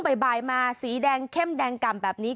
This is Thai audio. บ่ายมาสีแดงเข้มแดงกล่ำแบบนี้